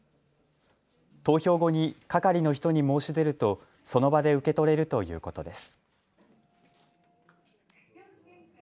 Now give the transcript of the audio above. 投票後に係の人に申し出るとその場で受け取れるということです。